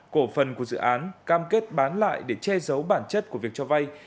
cổ phần của dự án cam kết bán lại để che giấu bản chất của việc cho vay